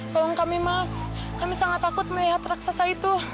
tolong kami mas kami sangat takut melihat raksasa itu